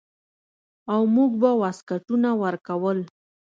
او موږ به واسکټونه ورکول.